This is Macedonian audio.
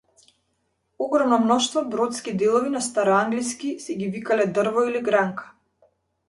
Огромно мноштво бродски делови на староанглиски си ги викале дрво или гранка.